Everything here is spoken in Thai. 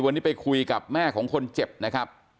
วันนี้ไปคุยกับแม่ของคนเจ็บนะครับ